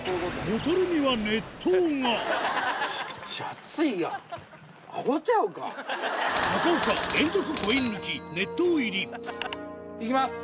ボトルには熱湯がいきます！